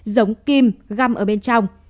giống kim găm ở bên trong